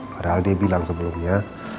padahal dia bilang sebelumnya